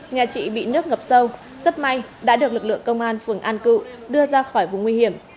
nhà chị bị nước ngập sâu rất may đã được lực lượng công an phường an cựu đưa ra khỏi vùng nguy hiểm